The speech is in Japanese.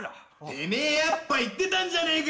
・てめえやっぱ言ってたんじゃねえか！